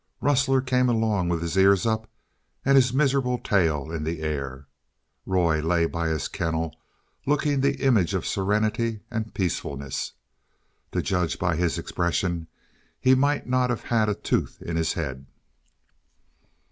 Rustler came along with his ears up, and his miserable tail in the air. Roy lay by his kennel looking the image of serenity and peacefulness. To judge by his expression, he might not have had a tooth in his head.